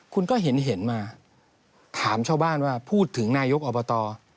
คุณก็เห็นมาถามชาวบ้านว่าพูดถึงนายกอบต